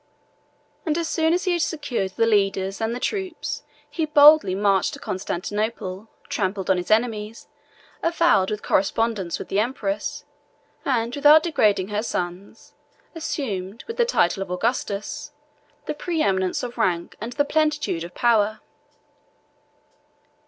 As soon as he had secured the leaders and the troops, he boldly marched to Constantinople, trampled on his enemies, avowed his correspondence with the empress, and without degrading her sons, assumed, with the title of Augustus, the preeminence of rank and the plenitude of power.